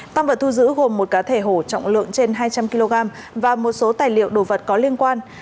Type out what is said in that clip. tăng vật thu giữ gồm một cá thể hổ trọng lượng trên hai trăm linh kg và một số tài liệu đồ vật có liên quan